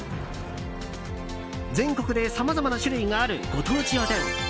全国でさまざまな種類があるご当地おでん。